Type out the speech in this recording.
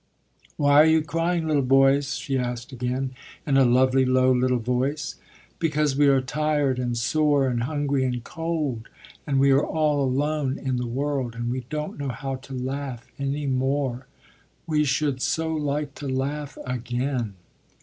"Why are you crying, little boys?" she asked again, in a lovely, low, little voice. "Because we are tired and sore and hungry and cold; and we are all alone in the world; and we don't know how to laugh any more. We should so like to laugh again."